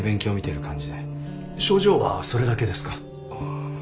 症状はそれだけですか？